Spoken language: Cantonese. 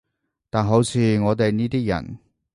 但好似我哋呢啲人